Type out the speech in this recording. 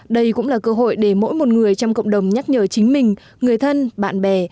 đây cũng là cơ hội để mỗi một người trong cộng đồng nhắc nhở chính mình người thân bạn bè